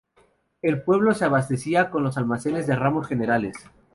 El pueblo se abastecía con los almacenes de ramos generales.